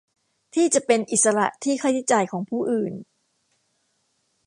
ที่จะเป็นอิสระที่ค่าใช้จ่ายของผู้อื่น